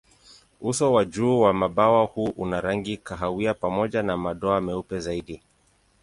Uso wa juu wa mabawa huwa na rangi kahawia pamoja na madoa meupe zaidi.